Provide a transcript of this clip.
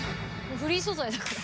フリー素材だから。